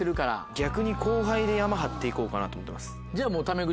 逆に後輩でヤマ張って行こうかなと思ってます。